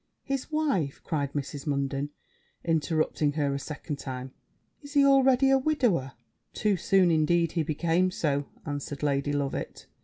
'His wife!' cried Mrs. Munden, interrupting her a second time: 'is he already a widower?' 'Too soon, indeed, he became so!' answered Lady Loveit.